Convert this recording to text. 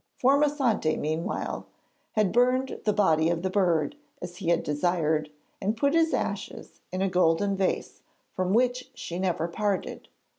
Formosante, meanwhile, had burned the body of the bird, as he had desired, and put his ashes in a golden vase from which she never parted.